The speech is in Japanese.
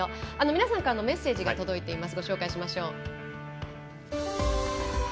皆さんからのメッセージが届いています。